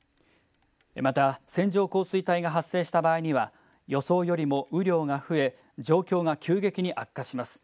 また、線状降水帯が発生した場合には予想よりも雨量が増え状況が急激に悪化します。